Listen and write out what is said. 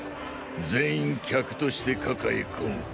全員客として抱え込む。